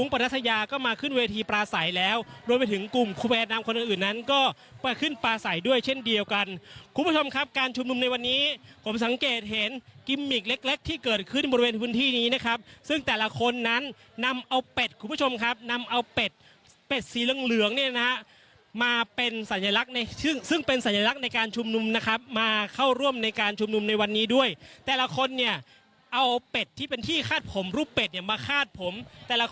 ผมสังเกตเห็นกิมมิกเล็กที่เกิดขึ้นบริเวณพื้นที่นี้นะครับซึ่งแต่ละคนนั้นนำเอาเป็ดคุณผู้ชมครับนำเอาเป็ดเป็ดสีเหลืองเนี่ยนะฮะมาเป็นสัญลักษณ์ในซึ่งเป็นสัญลักษณ์ในการชุมนุมนะครับมาเข้าร่วมในการชุมนุมในวันนี้ด้วยแต่ละคนเนี่ยเอาเป็ดที่เป็นที่คาดผมรูปเป็ดเนี่ยมาคาดผมแต่ล